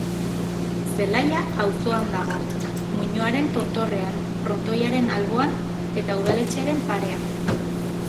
Zelaia auzoan dago, muinoaren tontorrean, frontoiaren alboan eta udaletxearen parean.